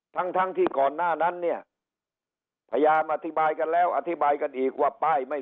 ทั้งทั้งที่ก่อนหน้านั้นเนี่ยพยายามอธิบายกันแล้วอธิบายกันอีกว่าป้ายไม่